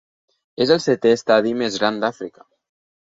És el setè estadi més gran d"Àfrica.